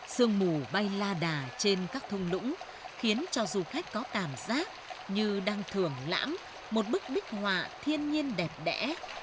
sương mù bay la đà trên các thông lũng khiến cho du khách có cảm giác như đang thưởng lãm một bức bích họa thiên nhiên đẹp đẽ